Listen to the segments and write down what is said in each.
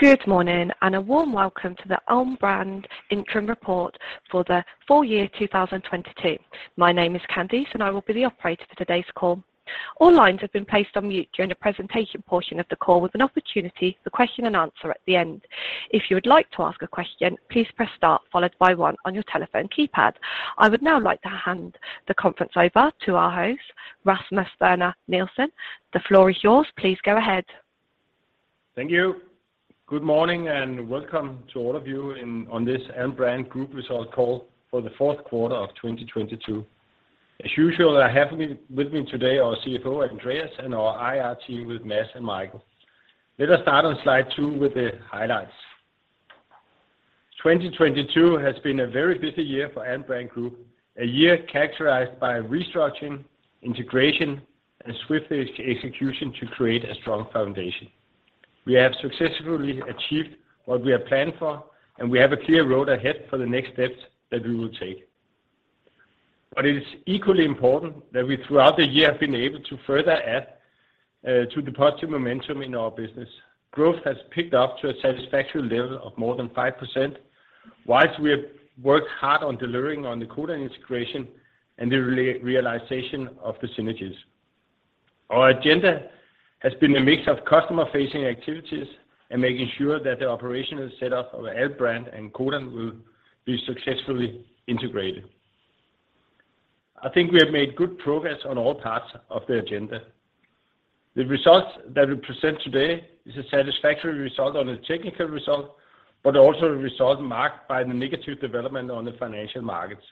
Good morning and a warm welcome to the Alm. Brand Interim Report for the full year 2022. My name is Candice, and I will be the operator for today's call. All lines have been placed on mute during the presentation portion of the call with an opportunity for question and answer at the end. If you would like to ask a question, please press star followed by one on your telephone keypad. I would now like to hand the conference over to our host, Rasmus Werner Nielsen. The floor is yours. Please go ahead. Thank you. Good morning, and welcome to all of you on this Alm. Brand Group result call for the fourth quarter of 2022. As usual, I have with me today our CFO, Andreas, and our IR team with Mads and Michael. Let us start on slide two with the highlights. 2022 has been a very busy year for Alm. Brand Group, a year characterized by restructuring, integration, and swift execution to create a strong foundation. We have successfully achieved what we have planned for, and we have a clear road ahead for the next steps that we will take. It is equally important that we, throughout the year, have been able to further add to the positive momentum in our business. Growth has picked up to a satisfactory level of more than 5%, while we have worked hard on delivering on the Codan integration and the real-realization of the synergies. Our agenda has been a mix of customer-facing activities and making sure that the operational setup of Brand and Codan will be successfully integrated. I think we have made good progress on all parts of the agenda. The results that we present today is a satisfactory result on a technical result, but also a result marked by the negative development on the financial markets.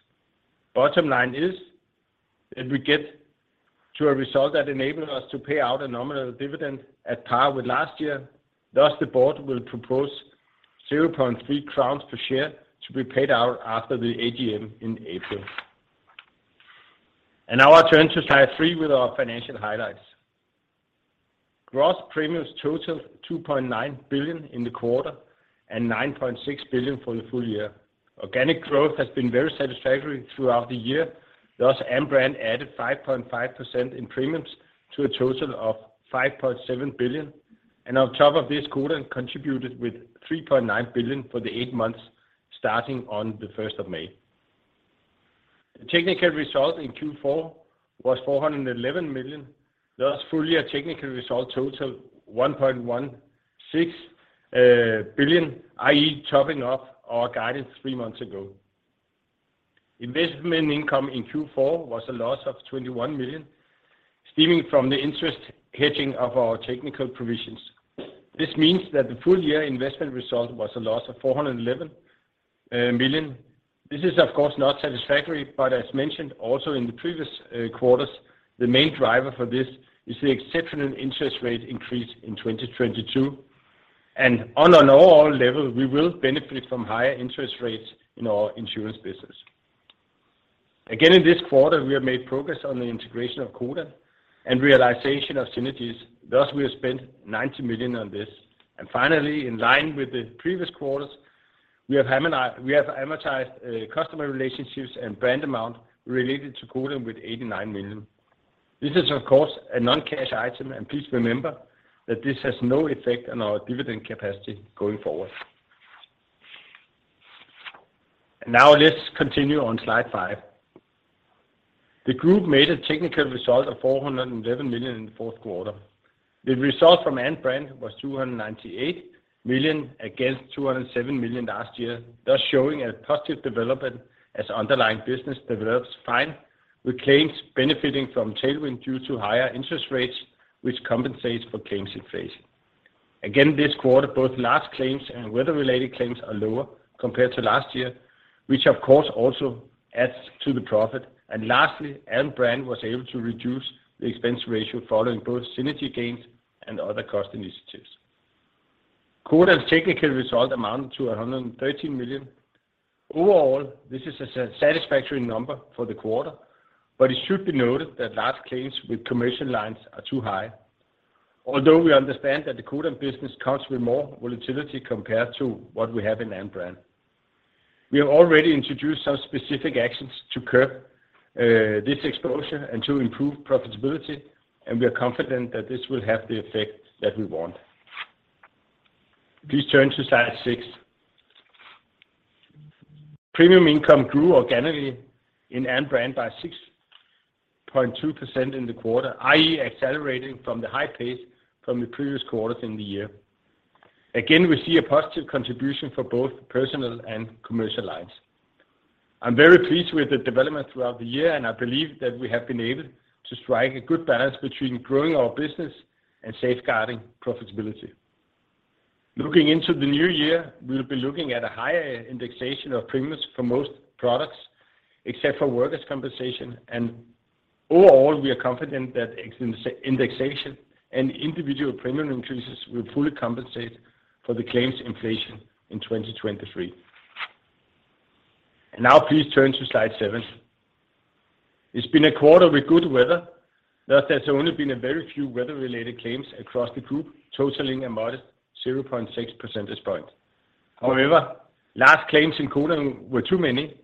Bottom line is that we get to a result that enables us to pay out a nominal dividend at par with last year. Thus, the board will propose 0.3 crowns per share to be paid out after the AGM in April. Now I turn to slide three with our financial highlights. Gross premiums totaled 2.9 billion in the quarter and 9.6 billion for the full year. Organic growth has been very satisfactory throughout the year. Thus, Alm. Brand added 5.5% in premiums to a total of 5.7 billion. On top of this, Codan contributed with 3.9 billion for the eight months starting on the 1st of May. The technical result in Q4 was 411 million. Thus, full year technical result totaled 1.16 billion, i.e. topping up our guidance three months ago. Investment income in Q4 was a loss of 21 million, stemming from the interest hedging of our technical provisions. This means that the full year investment result was a loss of 411 million. This is of course not satisfactory, but as mentioned also in the previous quarters, the main driver for this is the exceptional interest rate increase in 2022. On an overall level, we will benefit from higher interest rates in our insurance business. Again, in this quarter, we have made progress on the integration of Codan and realization of synergies. Thus, we have spent 90 million on this. Finally, in line with the previous quarters, we have amortized customer relationships and brand amount related to Codan with 89 million. This is of course a non-cash item, please remember that this has no effect on our dividend capacity going forward. Now let's continue on slide five. The group made a technical result of 411 million in the fourth quarter. The result from Brand was 298 million against 207 million last year, thus showing a positive development as underlying business develops fine, with claims benefiting from tailwind due to higher interest rates, which compensates for claims inflation. Again this quarter, both large claims and weather-related claims are lower compared to last year, which of course also adds to the profit. Lastly, Brand was able to reduce the expense ratio following both synergy gains and other cost initiatives. Codan's technical result amounted to 113 million. Overall, this is a satisfactory number for the quarter, but it should be noted that large claims with commercial lines are too high. Although we understand that the Codan business comes with more volatility compared to what we have in Brand. We have already introduced some specific actions to curb this exposure and to improve profitability, and we are confident that this will have the effect that we want. Please turn to slide six. Premium income grew organically in Brand by 6.2% in the quarter, i.e. accelerating from the high pace from the previous quarters in the year. Again, we see a positive contribution for both personal and commercial lines. I'm very pleased with the development throughout the year, and I believe that we have been able to strike a good balance between growing our business and safeguarding profitability. Looking into the new year, we'll be looking at a higher indexation of premiums for most products, except for workers' compensation. Overall, we are confident that ex-indexation and individual premium increases will fully compensate for the claims inflation in 2023. Now please turn to slide seven. It's been a quarter with good weather, thus there's only been a very few weather-related claims across the group, totaling a modest 0.6 percentage point. Large claims in Codan were too many,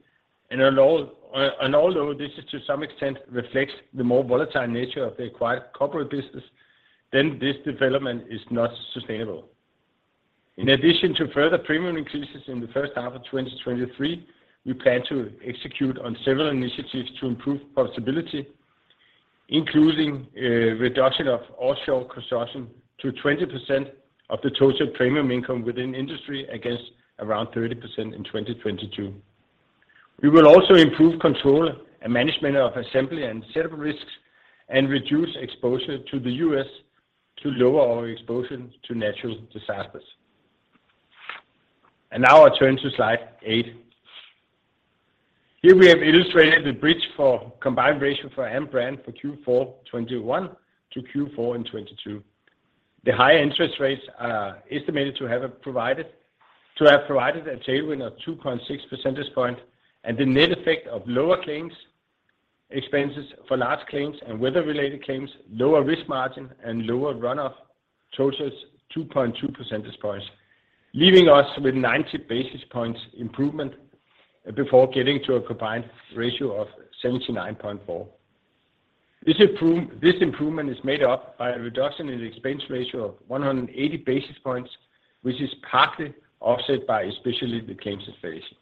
and although this is to some extent reflects the more volatile nature of the acquired corporate business, then this development is not sustainable. In addition to further premium increases in the first half of 2023, we plan to execute on several initiatives to improve profitability, including a reduction of offshore consortium to 20% of the total premium income within the industry, against around 30% in 2022. We will also improve control and management of assembly and set up risks and reduce exposure to the U.S. to lower our exposure to natural disasters. Now I turn to slide eight. Here we have illustrated the bridge for combined ratio for Alm. Brand for Q4 2021 to Q4 in 2022. The high interest rates are estimated to have provided a tailwind of 2.6 percentage points, and the net effect of lower claims, expenses for large claims and weather-related claims, lower risk margin and lower run-off totals 2.2 percentage points, leaving us with 90 basis points improvement before getting to a combined ratio of 79.4. This improvement is made up by a reduction in the expense ratio of 180 basis points, which is partly offset by especially the claims inflation.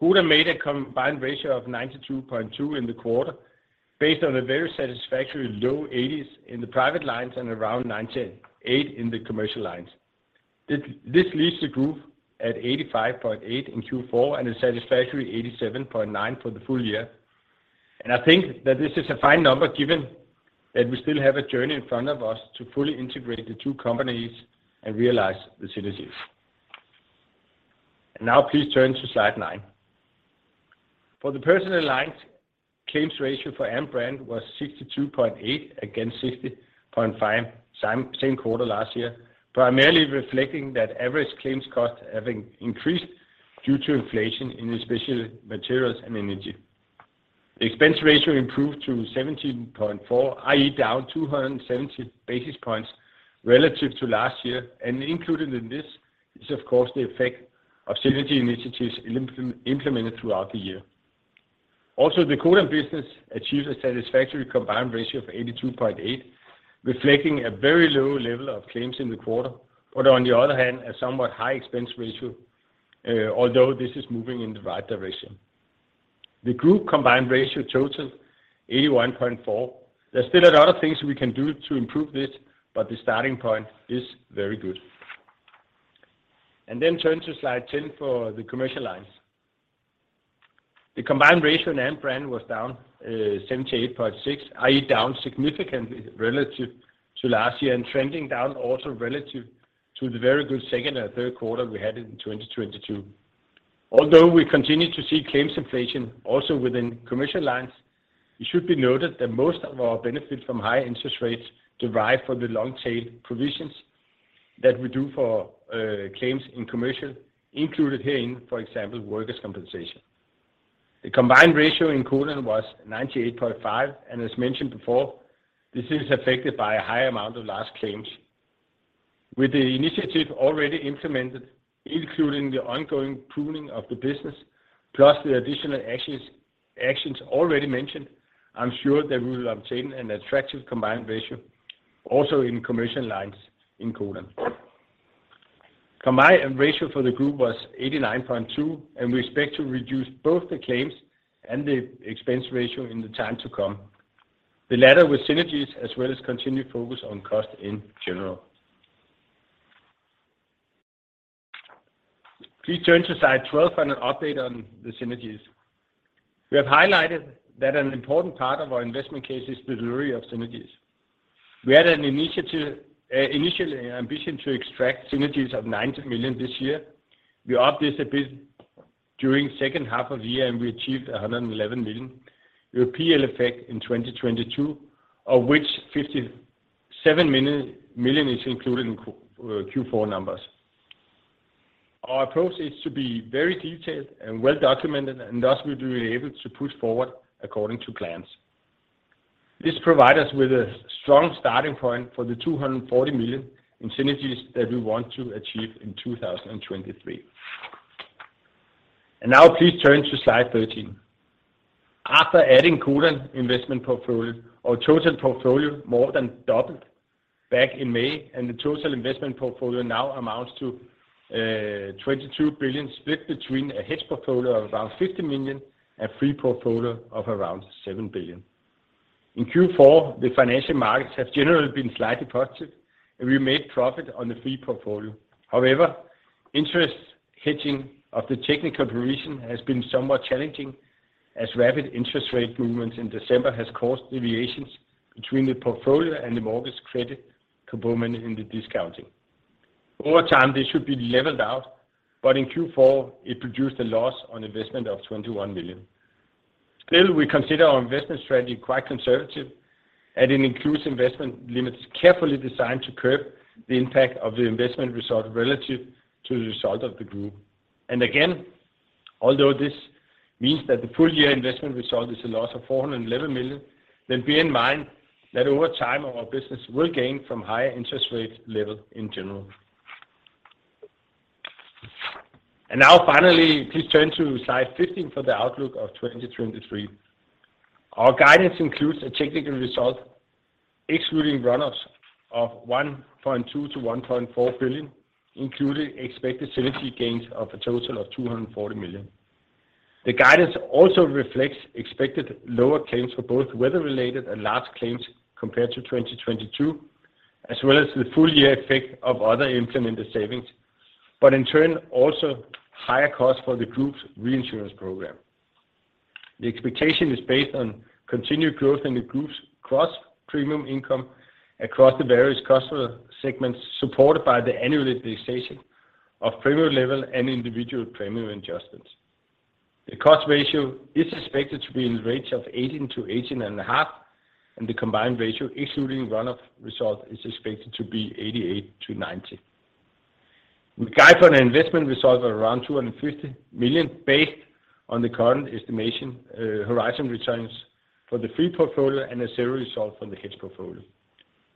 Codan made a combined ratio of 92.2 in the quarter based on a very satisfactory low 80s in the private lines and around 98 in the commercial lines. This leaves the group at 85.8% in Q4 and a satisfactory 87.9% for the full year. I think that this is a fine number given that we still have a journey in front of us to fully integrate the two companies and realize the synergies. Now please turn to slide nine For the personal lines, claims ratio for Alm. Brand was 62.8% against 60.5% same quarter last year, primarily reflecting that average claims costs have increased due to inflation in especially materials and energy. Expense ratio improved to 17.4%, i.e. down 270 basis points relative to last year, included in this is of course the effect of synergy initiatives implemented throughout the year. The Codan business achieved a satisfactory combined ratio of 82.8%, reflecting a very low level of claims in the quarter. On the other hand, a somewhat high expense ratio, although this is moving in the right direction. The group combined ratio total 81.4%. There's still a lot of things we can do to improve this, but the starting point is very good. Turn to slide 10 for the commercial lines. The combined ratio in Alm. Brand was down, 78.6%, i.e. down significantly relative to last year and trending down also relative to the very good second and third quarter we had in 2022. Although we continue to see claims inflation also within commercial lines, it should be noted that most of our benefit from high interest rates derive from the long tail provisions that we do for claims in commercial included herein, for example, workers' compensation. The combined ratio in Codan was 98.5%, and as mentioned before, this is affected by a high amount of large claims. With the initiative already implemented, including the ongoing pruning of the business, plus the additional actions already mentioned, I'm sure that we will obtain an attractive combined ratio also in commercial lines in Codan. Combined ratio for the group was 89.2%, and we expect to reduce both the claims ratio and the expense ratio in the time to come. The latter with synergies as well as continued focus on cost in general. Please turn to slide 12 for an update on the synergies. We have highlighted that an important part of our investment case is delivery of synergies. We had an initial ambition to extract synergies of 90 million this year. We upped this a bit during second half of the year. We achieved a 111 million P&L effect in 2022, of which 57 million is included in Q4 numbers. Our approach is to be very detailed and well documented, thus we will be able to push forward according to plans. This provide us with a strong starting point for the 240 million in synergies that we want to achieve in 2023. Now please turn to slide 13. After adding Codan investment portfolio, our total portfolio more than doubled back in May. The total investment portfolio now amounts to 22 billion split between a hedge portfolio of around 50 million and free portfolio of around 7 billion. In Q4, the financial markets have generally been slightly positive. We made profit on the free portfolio. However, interest hedging of the technical provision has been somewhat challenging as rapid interest rate movements in December has caused deviations between the portfolio and the mortgage credit component in the discounting. Over time, this should be leveled out. In Q4, it produced a loss on investment of 21 million. Still, we consider our investment strategy quite conservative. It includes investment limits carefully designed to curb the impact of the investment result relative to the result of the group. Again. Although this means that the full year investment result is a loss of 411 million, bear in mind that over time, our business will gain from higher interest rate level in general. Now finally, please turn to slide 15 for the outlook of 2023. Our guidance includes a technical result, excluding run-offs of 1.2 billion-1.4 billion, including expected synergy gains of a total of 240 million. The guidance also reflects expected lower claims for both weather-related and large claims compared to 2022, as well as the full year effect of other implemented savings, in turn, also higher costs for the group's reinsurance program. The expectation is based on continued growth in the group's cross premium income across the various customer segments, supported by the annualization of premium level and individual premium adjustments. The cost ratio is expected to be in the range of 18-18.5%, and the combined ratio, excluding run-off result, is expected to be 88-90%. We guide for an investment result of around 250 million based on the current estimation, horizon returns for the free portfolio and the zero result from the hedge portfolio.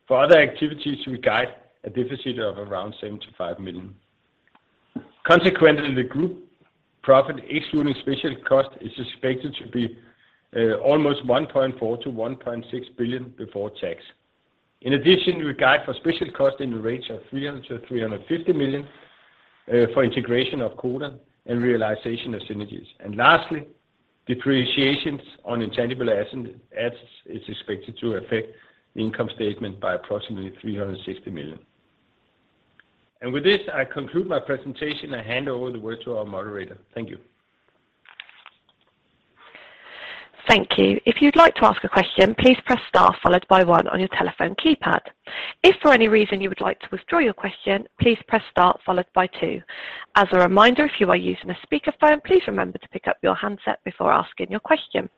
For other activities, we guide a deficit of around 7 million-5 million. Consequently, the group profit, excluding special cost, is expected to be almost 1.4 billion-1.6 billion before tax. In addition, we guide for special cost in the range of 300 million-350 million for integration of Codan and realization of synergies. Lastly, depreciations on intangible assets is expected to affect the income statement by approximately 360 million. With this, I conclude my presentation. I hand over the word to our moderator. Thank you. Thank you. If you'd like to ask a question, please press star followed by one on your telephone keypad. If for any reason you would like to withdraw your question, please press star followed by two. As a reminder, if you are using a speakerphone, please remember to pick up your handset before asking your question.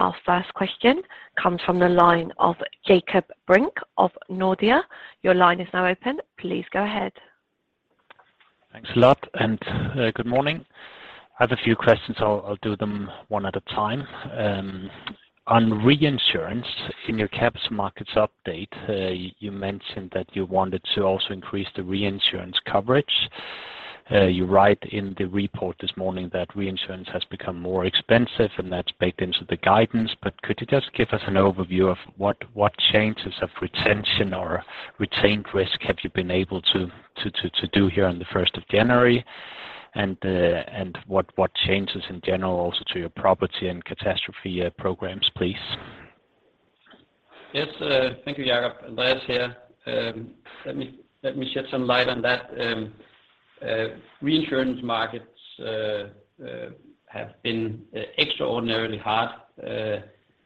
Our first question comes from the line of Jakob Brink of Nordea. Your line is now open. Please go ahead. Thanks a lot, good morning. I have a few questions. I'll do them one at a time. On reinsurance, in your Capital Markets Update, you mentioned that you wanted to also increase the reinsurance coverage. You write in the report this morning that reinsurance has become more expensive, and that's baked into the guidance. Could you just give us an overview of what changes of retention or retained risk have you been able to do here on the 1st of January? What changes in general also to your property and catastrophe programs, please? Yes, thank you, Jakob. Lars here. Let me shed some light on that. reinsurance markets have been extraordinarily hard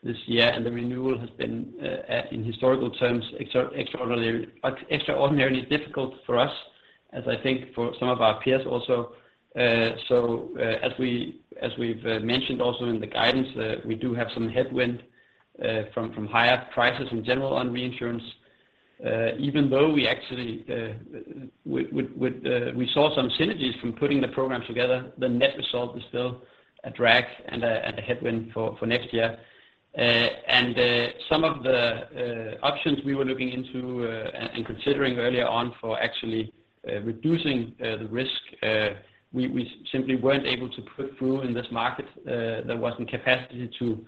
this year, and the renewal has been at in historical terms, extraordinarily difficult for us, as I think for some of our peers also. As we've mentioned also in the guidance, we do have some headwind from higher prices in general on reinsurance. Even though we actually, we saw some synergies from putting the program together, the net result is still a drag and a headwind for next year. Some of the options we were looking into and considering earlier on for actually reducing the risk, we simply weren't able to put through in this market. There wasn't capacity to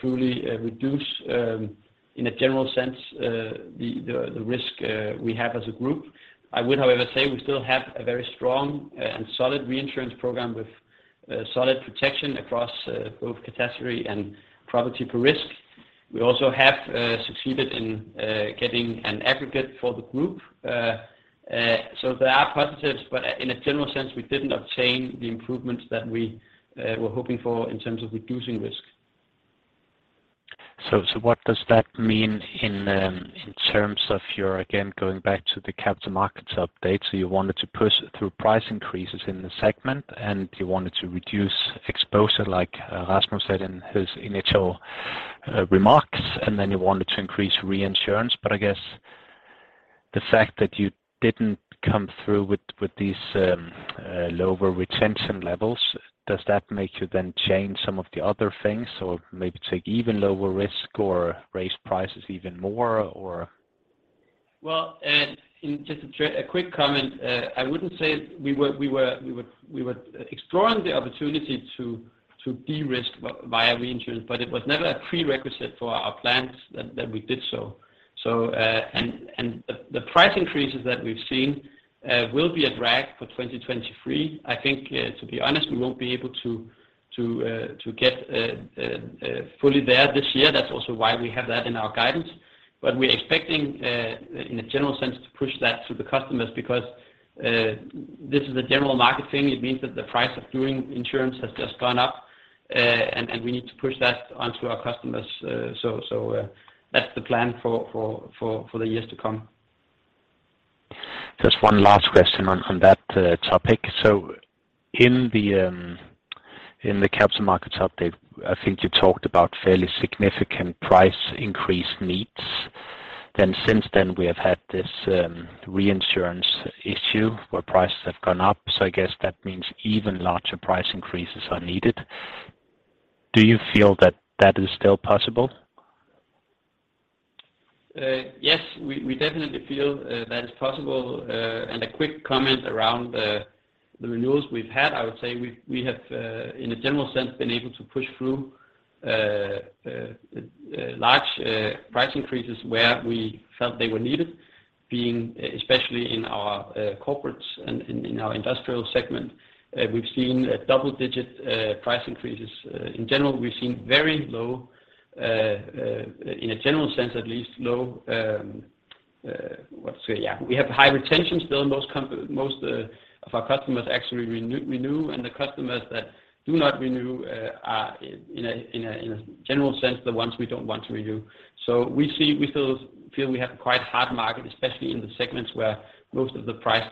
truly reduce in a general sense the risk we have as a group. I would, however, say we still have a very strong and solid reinsurance program with solid protection across both catastrophe and property risk. We also have succeeded in getting an aggregate for the group. There are positives, but in a general sense, we didn't obtain the improvements that we were hoping for in terms of reducing risk. What does that mean in terms of your, again, going back to the Capital Markets Update. You wanted to push through price increases in the segment, and you wanted to reduce exposure, like Rasmus said in his initial remarks, and then you wanted to increase reinsurance. I guess the fact that you didn't come through with these lower retention levels, does that make you then change some of the other things or maybe take even lower risk or raise prices even more or? Well, just a quick comment. I wouldn't say we were exploring the opportunity to de-risk by a reinsurance, but it was never a prerequisite for our plans that we did so. The price increases that we've seen will be a drag for 2023. I think, to be honest, we won't be able to get fully there this year. That's also why we have that in our guidance. We're expecting, in a general sense, to push that to the customers because this is a general market thing. It means that the price of doing insurance has just gone up, and we need to push that onto our customers. That's the plan for the years to come. Just one last question on that topic. In the Capital Markets Update, I think you talked about fairly significant price increase needs. Since then we have had this reinsurance issue where prices have gone up. I guess that means even larger price increases are needed. Do you feel that that is still possible? Yes. We definitely feel that is possible. A quick comment around the renewals we've had. I would say we have in a general sense been able to push through large price increases where we felt they were needed, being especially in our corporates and in our industrial segment, we've seen double-digit price increases. In general, we've seen very low in a general sense, at least low, what's say, yeah, we have high retention still. Most of our customers actually renew. The customers that do not renew are in a general sense the ones we don't want to renew. We see, we still feel we have quite hard market, especially in the segments where most of the price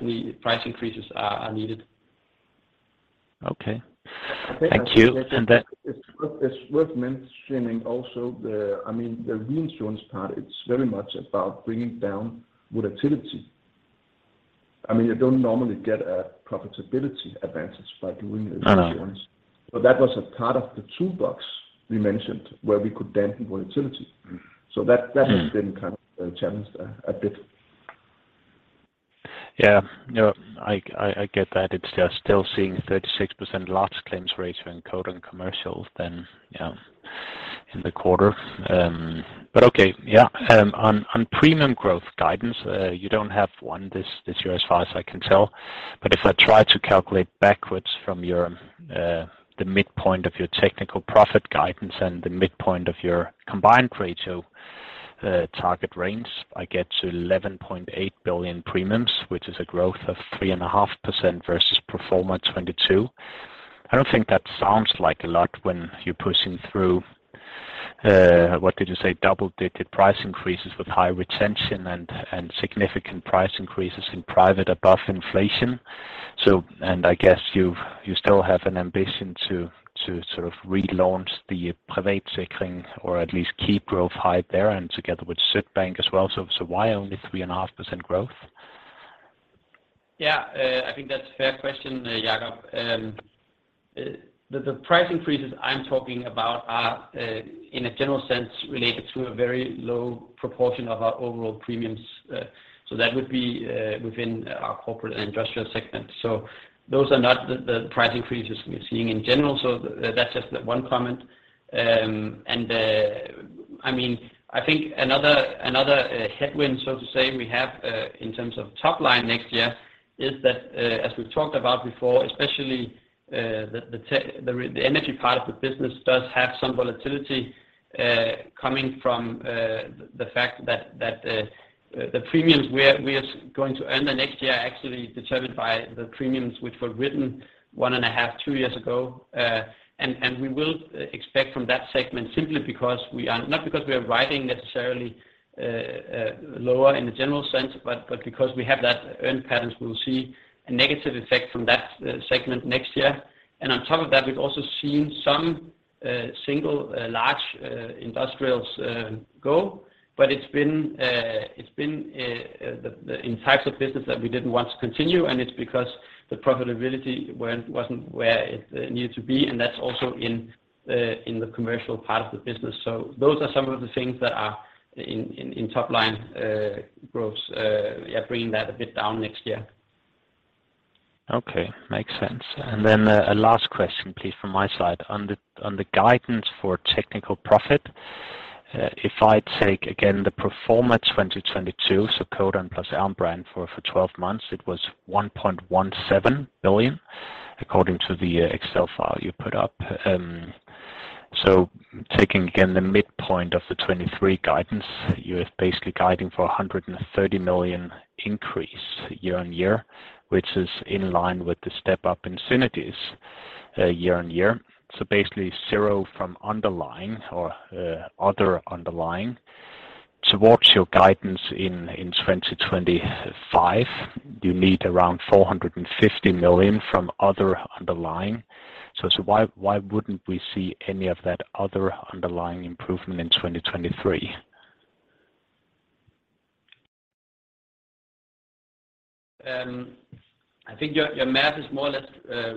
increases are needed. Okay. Thank you. I think it's worth mentioning also, I mean, the reinsurance part, it's very much about bringing down volatility. I mean, you don't normally get a profitability advantage by doing reinsurance. Uh-huh. That was a part of the toolbox we mentioned where we could dampen volatility. That has been kind of challenged a bit. Yeah. No, I, I get that. It's just still seeing 36% large claims ratio in Codan Commercial than, you know, in the quarter. Okay. Yeah. On premium growth guidance, you don't have one this year as far as I can tell, but if I try to calculate backwards from your, the midpoint of your technical profit guidance and the midpoint of your combined ratio, target range, I get to 11.8 billion premiums, which is a growth of 3.5% versus pro forma 2022. I don't think that sounds like a lot when you're pushing through, what did you say? Double digit price increases with high retention and significant price increases in private above inflation. I guess you still have an ambition to sort of relaunch the Privatsikring or at least keep growth high there and together with Sydbank as well. Why only 3.5% growth? Yeah, I think that's a fair question, Jakob. The price increases I'm talking about are in a general sense related to a very low proportion of our overall premiums. That would be within our corporate and industrial segment. Those are not the price increases we're seeing in general, that's just the one comment. I mean, I think another headwind, so to say, we have in terms of top line next year is that as we've talked about before, especially the energy part of the business does have some volatility coming from the fact that the premiums we are going to earn the next year are actually determined by the premiums which were written 1.5, two years ago. We will expect from that segment simply because we are not because we are writing necessarily lower in the general sense, but because we have that earn patterns, we'll see a negative effect from that segment next year. On top of that, we've also seen some single large industrials go. It's been in types of business that we didn't want to continue, and it's because the profitability wasn't where it needed to be, and that's also in the commercial part of the business. Those are some of the things that are in top line, growth, yeah, bringing that a bit down next year. Okay. Makes sense. A last question please from my side. On the guidance for technical profit, if I take again the pro forma 2022, so Codan plus Brand for 12 months, it was 1.17 billion according to the Excel file you put up. Taking again the midpoint of the 2023 guidance, you're basically guiding for a 130 million increase year-on-year, which is in line with the step up in synergies, year-on-year. Basically zero from underlying or, other underlying. To watch your guidance in 2025, you need around 450 million from other underlying. Why wouldn't we see any of that other underlying improvement in 2023? I think your math is more or less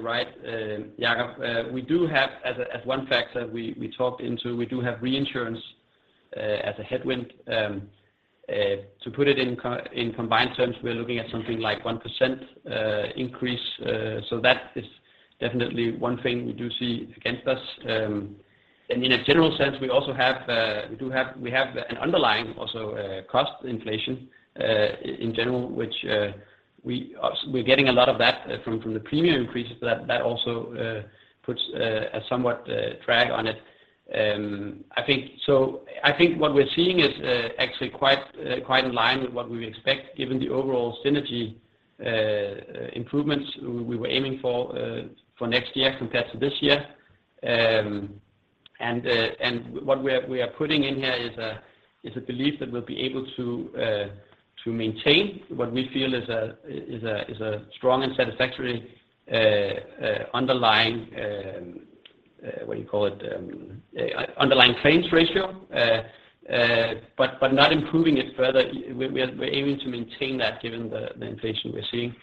right, Jakob. We do have as a, as one factor we talked into, we do have reinsurance as a headwind. To put it in combined terms, we are looking at something like 1% increase. That is definitely one thing we do see against us. In a general sense, we also have an underlying also cost inflation in general, which we're getting a lot of that from the premium increases that also puts a somewhat drag on it. I think so. I think what we're seeing is actually quite in line with what we expect given the overall synergy improvements we were aiming for for next year compared to this year. What we are putting in here is a belief that we'll be able to maintain what we feel is a strong and satisfactory, underlying, what do you call it, underlying claims ratio. Not improving it further. We're aiming to maintain that given the inflation we're seeing.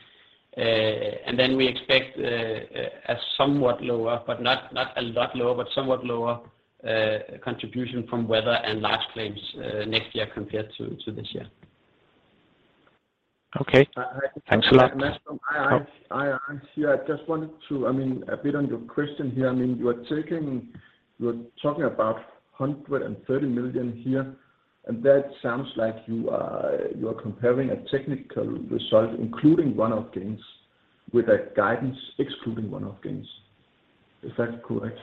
We expect a somewhat lower, but not a lot lower, but somewhat lower, contribution from weather and large claims, next year compared to this year. Okay. Thanks a lot. Hi, Mads. I hear. I mean, a bit on your question here. I mean, you are talking about 130 million here, and that sounds like you are comparing a technical result, including one-off gains, with a guidance excluding one-off gains. Is that correct?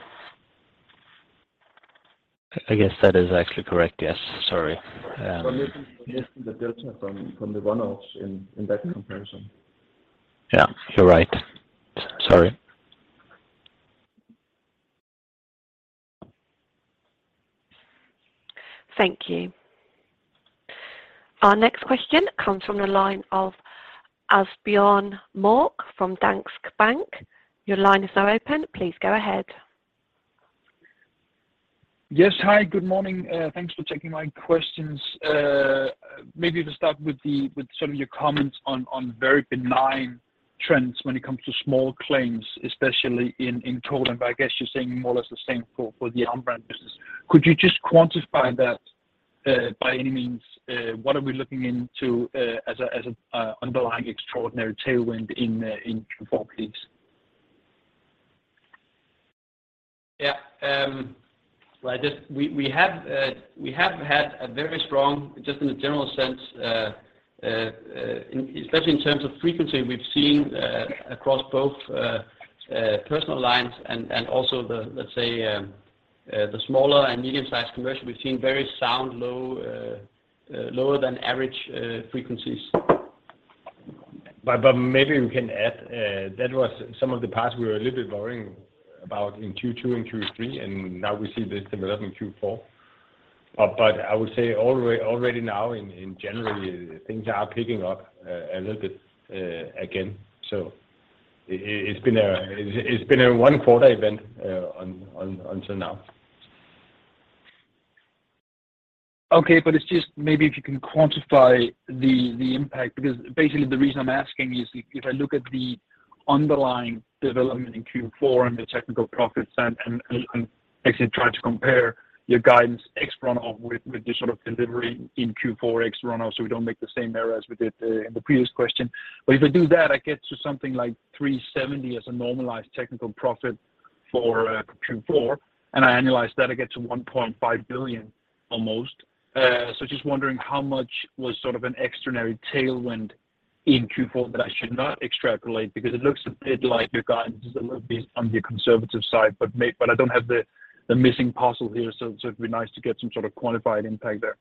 I guess that is actually correct. Yes. Sorry. You're missing the delta from the one-offs in that comparison. Yeah, you're right. Sorry. Thank you. Our next question comes from the line of Asbjørn Mørk from Danske Bank. Your line is now open. Please go ahead. Yes. Hi, good morning. Thanks for taking my questions. Maybe to start with some of your comments on very benign trends when it comes to small claims, especially in total, but I guess you're saying more or less the same for the non-brand business. Could you just quantify that by any means? What are we looking into as an underlying extraordinary tailwind in Q4 please? Yeah. Well, we have had a very strong, just in a general sense, especially in terms of frequency, we've seen across both personal lines and also the, let's say, the smaller and medium-sized commercial, we've seen very sound low, lower than average, frequencies. Maybe we can add that was some of the parts we were a little bit worrying about in Q2 and Q3, and now we see this development in Q4. I would say already now in general, things are picking up a little bit again. It's been a one quarter event until now. Okay. It's just maybe if you can quantify the impact, because basically the reason I'm asking is if I look at the underlying development in Q4 and the technical profits and actually try to compare your guidance ex runoff with the sort of delivery in Q4 ex runoff, so we don't make the same error as we did in the previous question. If I do that, I get to something like 370 as a normalized technical profit for Q4, and I annualize that, I get to 1.5 billion almost. Just wondering how much was sort of an extraordinary tailwind in Q4 that I should not extrapolate because it looks a bit like your guidance is a little bit on the conservative side, I don't have the missing puzzle here. It'd be nice to get some sort of quantified impact there.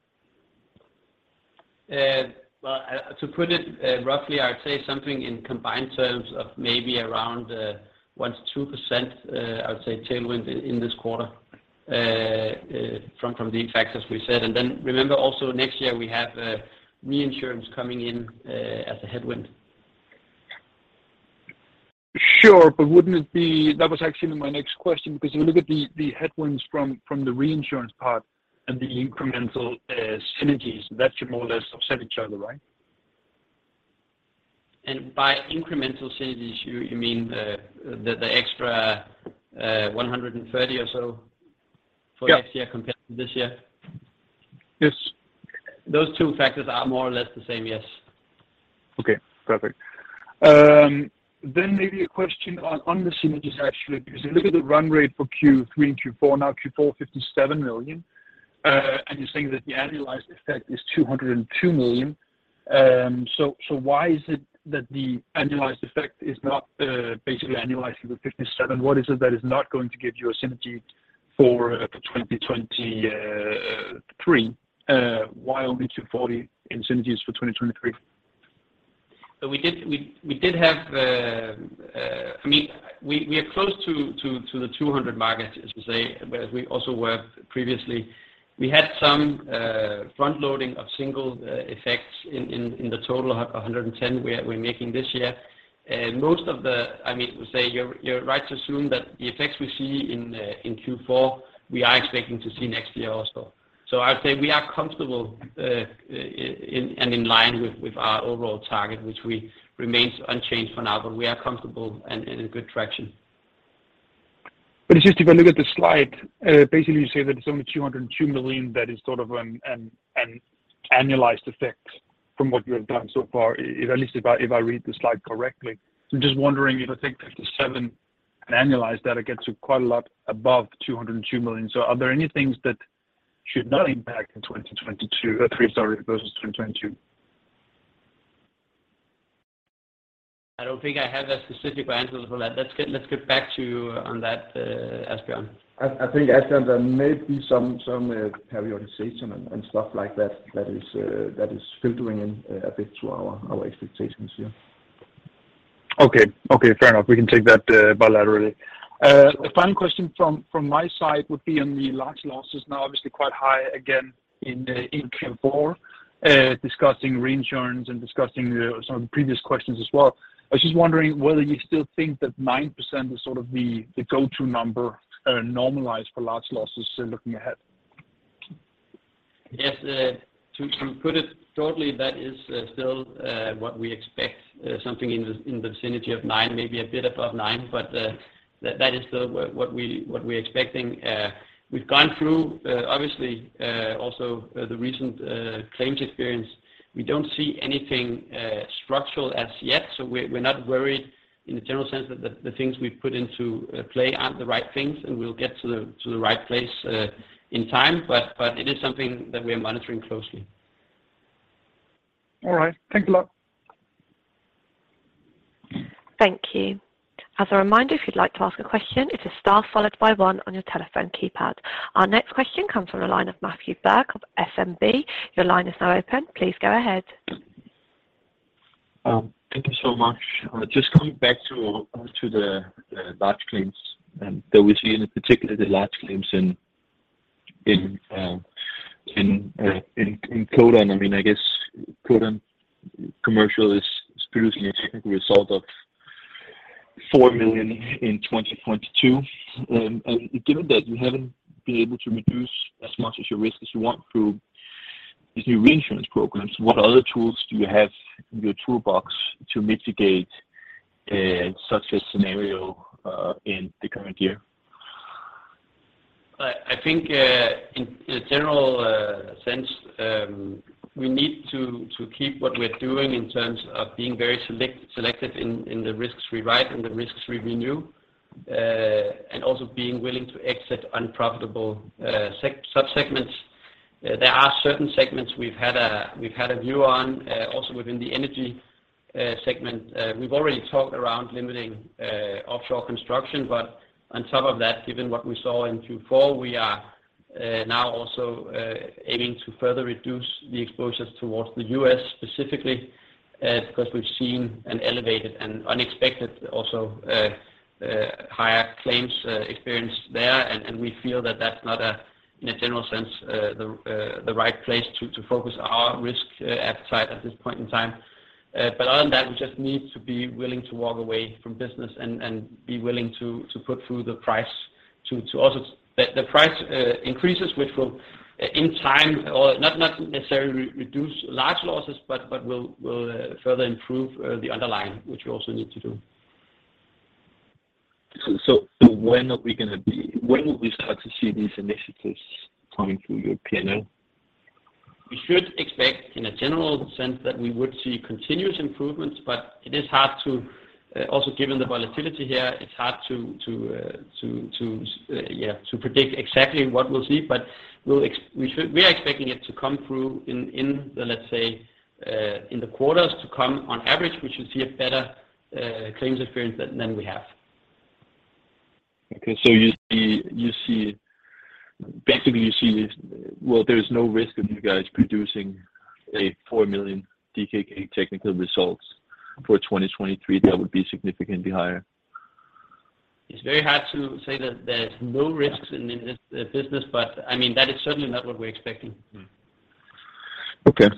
Well, to put it roughly, I would say something in combined terms of maybe around 1%-2%, I would say tailwind in this quarter, from the effects, as we said. Remember also next year we have reinsurance coming in as a headwind. Sure. That was actually my next question, because you look at the headwinds from the reinsurance part and the incremental synergies, that should more or less offset each other, right? By incremental synergies, you mean the extra 130 or so for next year compared to this year? Yes. Those two factors are more or less the same, yes. Okay, perfect. Maybe a question on the synergies actually, because you look at the run rate for Q3 and Q4 now, Q4 57 million. You're saying that the annualized effect is 202 million. Why is it that the annualized effect is not basically annualized to the 57? What is it that is not going to give you a synergy for 2023? Why only 240 in synergies for 2023? We did, we did have, I mean, we are close to the 200 mark, as you say, as we also were previously. We had some front loading of single effects in the total of 110 we're making this year. Most of the, I mean, say you're right to assume that the effects we see in Q4, we are expecting to see next year also. I'd say we are comfortable in and in line with our overall target, which we remains unchanged for now, but we are comfortable and in good traction. It's just if I look at the slide, basically you say that it's only 202 million that is sort of an annualized effect from what you have done so far. At least if I read the slide correctly. Just wondering if I take 57 and annualize that it gets to quite a lot above 202 million. Are there any things that should not impact in 2023, sorry, versus 2022? I don't think I have a specific answer for that. Let's get back to you on that, Asbjørn. I think, Asbjørn, there may be some prioritization and stuff like that is filtering in a bit to our expectations here. Okay. Okay. Fair enough. We can take that bilaterally. The final question from my side would be on the large losses now, obviously quite high again in Q4, discussing reinsurance and discussing some of the previous questions as well. I was just wondering whether you still think that 9% is sort of the go to number normalized for large losses looking ahead. To put it shortly, that is still what we expect, something in the vicinity of nine, maybe a bit above nine. That is still what we're expecting. We've gone through obviously also the recent claims experience. We don't see anything structural as yet, so we're not worried in the general sense that the things we've put into play aren't the right things, and we'll get to the right place in time. It is something that we are monitoring closely. All right. Thanks a lot. Thank you. As a reminder, if you'd like to ask a question, it is star followed by 1 on your telephone keypad. Our next question comes from the line of Martin Birk of SEB. Your line is now open. Please go ahead. Thank you so much. Just coming back to the large claims that we see in particularly the large claims in Codan. I guess Codan Commercial is previously a technical result of 4 million in 2022. Given that you haven't been able to reduce as much as your risk as you want through these new reinsurance programs, what other tools do you have in your toolbox to mitigate such a scenario in the current year? I think, in a general sense, we need to keep what we're doing in terms of being very selective in the risks we write and the risks we renew, and also being willing to exit unprofitable subsegments. There are certain segments we've had a view on, also within the energy segment. We've already talked around limiting offshore construction, On top of that, given what we saw in Q4, we are now also aiming to further reduce the exposures towards the U.S. specifically, because we've seen an elevated and unexpected also higher claims experience there. We feel that that's not, in a general sense, the right place to focus our risk appetite at this point in time. Other than that, we just need to be willing to walk away from business and be willing to put through the price to also. The price increases, which will in time, or not necessarily reduce large losses, but will further improve the underlying, which we also need to do. When will we start to see these initiatives coming through your P&L? We should expect in a general sense that we would see continuous improvements, but it is hard to, also given the volatility here, it's hard to predict exactly what we'll see. We are expecting it to come through in the, let's say, in the quarters to come on average, we should see a better claims experience than we have. Okay. you see, basically you see well, there is no risk of you guys producing a 4 million DKK technical results for 2023 that would be significantly higher. It's very hard to say that there's no risks in this business, but I mean, that is certainly not what we're expecting. Okay.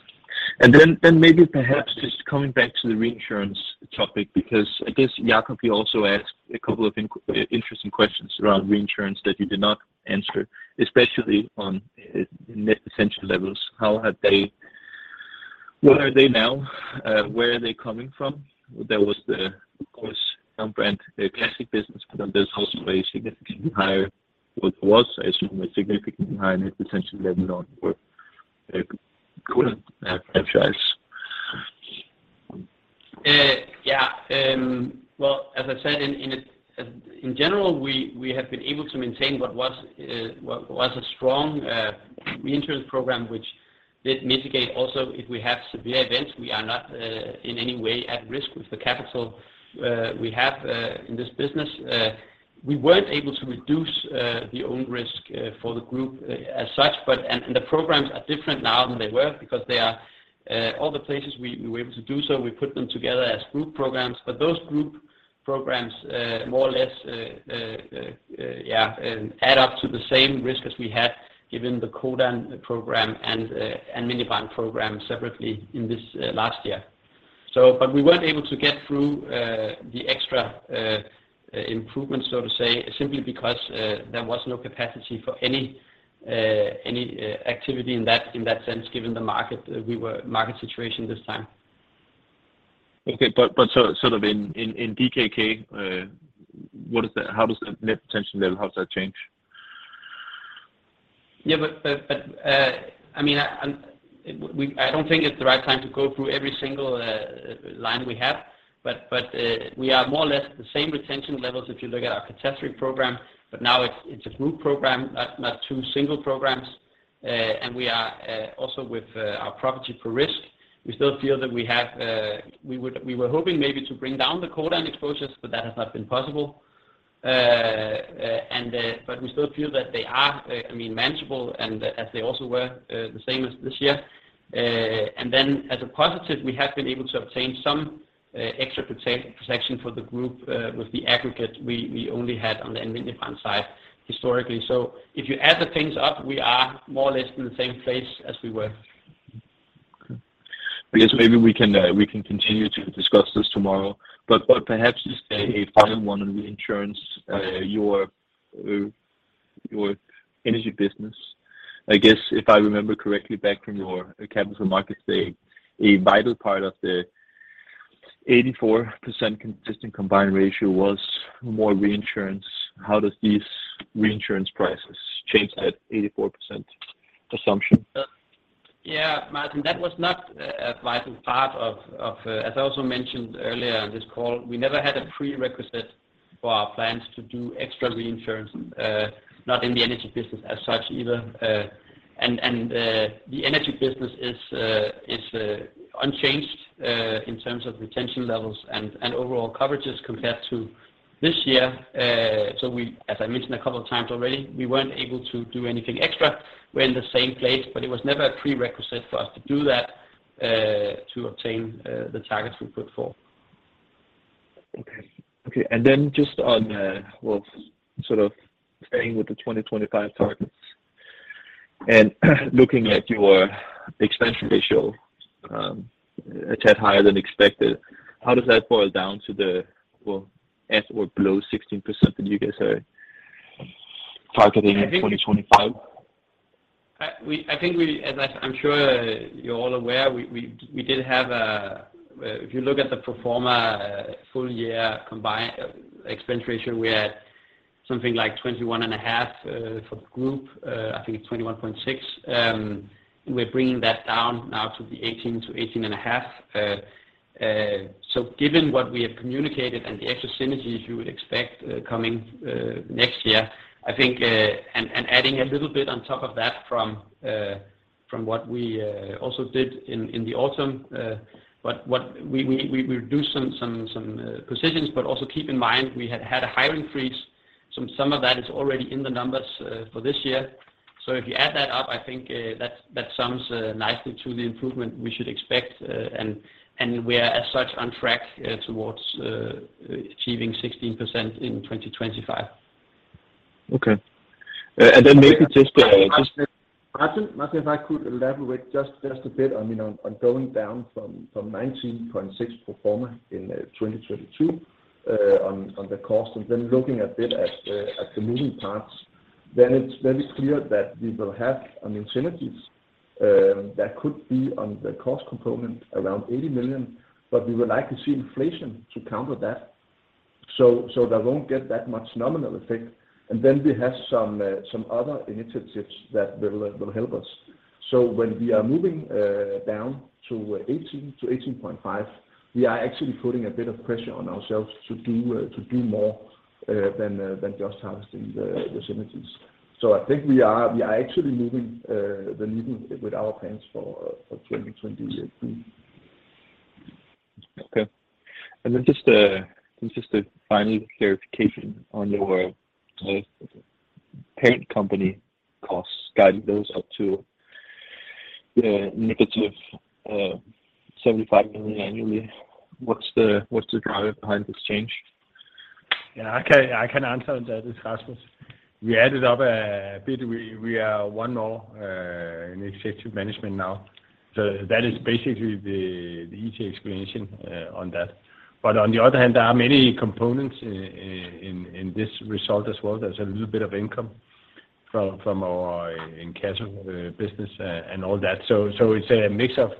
Maybe perhaps just coming back to the reinsurance topic, because I guess Jakob, he also asked a couple of interesting questions around reinsurance that you did not answer, especially on net retention levels. How have they where are they now? Where are they coming from? There was the, of course, Alm. Brand, the classic business, but then there's also a significantly higher, what was, I assume, a significantly higher net retention level for Codan Forsikring. Well, as I said, in general, we have been able to maintain what was a strong reinsurance program, which did mitigate also if we have severe events. We are not in any way at risk with the capital we have in this business. We weren't able to reduce the own risk for the group as such, but and the programs are different now than they were because they are all the places we were able to do so, we put them together as group programs. Those group programs more or less add up to the same risk as we had given the Codan program and Alm. Brand program separately in this last year. We weren't able to get through the extra improvement so to say, simply because there was no capacity for any activity in that, in that sense, given the market situation this time. Okay. sort of in DKK, how does the net retention level, how does that change? I mean, I don't think it's the right time to go through every single line we have, but we are more or less the same retention levels if you look at our catastrophe program, but now it's a group program, not two single programs. We are also with our property per risk, we still feel that we have, we were hoping maybe to bring down the Codan exposures, but that has not been possible. We still feel that they are, I mean manageable and as they also were the same as this year. As a positive, we have been able to obtain some extra protection for the group with the aggregate we only had on the Alm. Brand side historically. If you add the things up, we are more or less in the same place as we were. I guess maybe we can continue to discuss this tomorrow, but perhaps just a final one on the insurance, your energy business. I guess if I remember correctly back from your Capital Markets Day, a vital part of the 84% consistent combined ratio was more reinsurance. How does these reinsurance prices change that 84% assumption? Yeah, Martin, that was not a vital part of, as I also mentioned earlier on this call, we never had a prerequisite for our plans to do extra reinsurance, not in the energy business as such either. The energy business is unchanged in terms of retention levels and overall coverages compared to this year. As I mentioned a couple of times already, we weren't able to do anything extra. We're in the same place, but it was never a prerequisite for us to do that, to obtain the targets we put forward. Okay. Okay. Just on, well, sort of staying with the 2025 targets and looking at your expense ratio, a tad higher than expected, how does that boil down to the, well, at or below 16% that you guys are targeting in 2025? I think we, as I'm sure you're all aware, we did have a, if you look at the pro forma full year combined expense ratio, we had something like 21 and a half% for the group, I think it's 21.6%. We're bringing that down now to the 18%-18 and a half%. Given what we have communicated and the extra synergies you would expect coming next year, I think, and adding a little bit on top of that from what we also did in the autumn. What we reduced some positions, but also keep in mind we had a hiring freeze. Some of that is already in the numbers for this year. If you add that up, I think, that sums nicely to the improvement we should expect. We are as such on track, towards, achieving 16% in 2025. Okay. then maybe just. Martin, if I could elaborate just a bit. I mean, on going down from 19.6% pro forma in 2022 on the cost, looking a bit at the moving parts, it's very clear that we will have, I mean, synergies that could be on the cost component around 80 million, but we would like to see inflation to counter that. That won't get that much nominal effect. We have some other initiatives that will help us. When we are moving down to 18%-18.5%, we are actually putting a bit of pressure on ourselves to do more than just harvesting the synergies. I think we are actually moving the needle with our plans for 2023. Okay. Just a final clarification on your parent company costs guiding those up to negative 75 million annually. What's the driver behind this change? Yeah, I can answer that. It's Rasmus. We added up a bit. We are one more in executive management now. That is basically the easy explanation on that. On the other hand, there are many components in this result as well. There's a little bit of income from our incasso business and all that. It's a mix of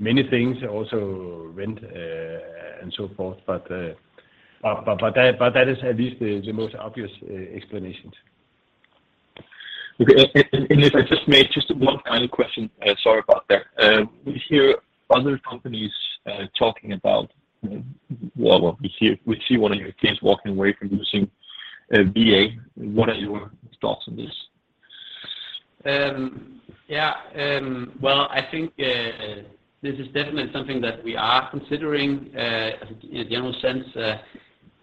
many things, also rent, and so forth. That is at least the most obvious explanation. Okay. If I just may, just one final question. Sorry about that. We hear other companies talking about, well, we see one of your peers walking away from using VA. What are your thoughts on this? I think this is definitely something that we are considering in a general sense.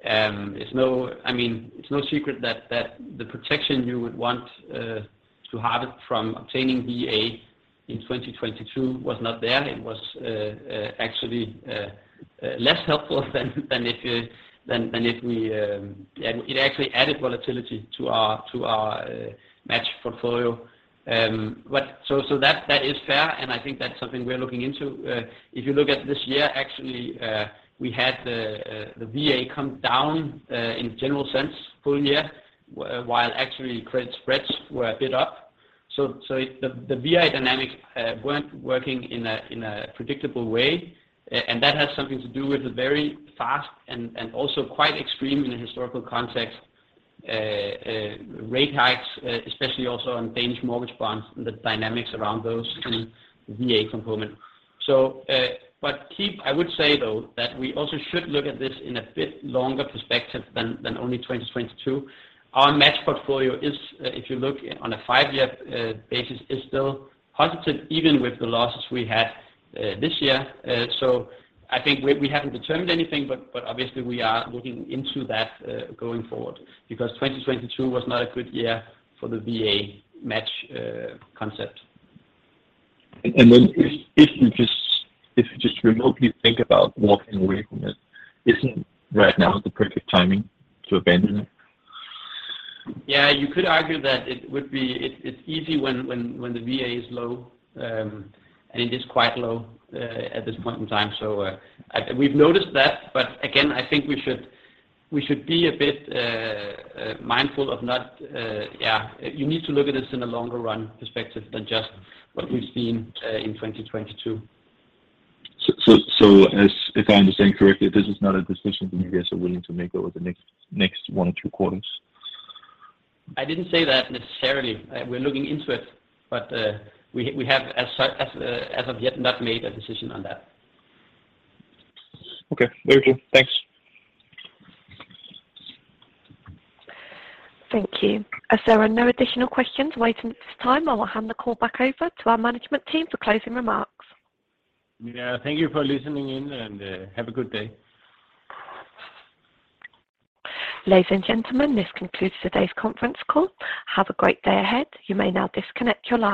It's no secret that the protection you would want to have from obtaining VA in 2022 was not there. It actually added volatility to our match portfolio. That is fair, and I think that's something we're looking into. If you look at this year, actually, we had the VA come down in general sense full year, while actually credit spreads were a bit up. The VA dynamics weren't working in a predictable way. And that has something to do with the very fast and also quite extreme in a historical context, rate hikes, especially also on Danish mortgage bonds and the dynamics around those in VA component. But I would say though that we also should look at this in a bit longer perspective than only 2022. Our match portfolio is, if you look on a 5-year basis, is still positive even with the losses we had this year. I think we haven't determined anything, but obviously we are looking into that going forward because 2022 was not a good year for the VA match concept. If you just remotely think about walking away from it, isn't right now the perfect timing to abandon it? Yeah, you could argue that it would be. It's easy when the VA is low, and it is quite low, at this point in time. We've noticed that, but again, I think we should be a bit mindful of not, yeah. You need to look at this in a longer run perspective than just what we've seen, in 2022. As if I understand correctly, this is not a decision that you guys are willing to make over the next one to two quarters? I didn't say that necessarily. We're looking into it, but we have as of yet not made a decision on that. Okay. Very cool. Thanks. Thank you. As there are no additional questions waiting at this time, I will hand the call back over to our management team for closing remarks. Yeah. Thank you for listening in. Have a good day. Ladies and gentlemen, this concludes today's conference call. Have a great day ahead. You may now disconnect your line.